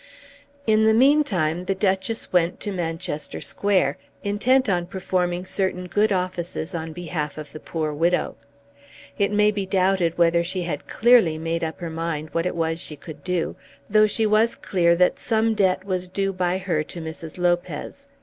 In the meantime the Duchess went to Manchester Square intent on performing certain good offices on behalf of the poor widow. It may be doubted whether she had clearly made up her mind what it was that she could do, though she was clear that some debt was due by her to Mrs. Lopez.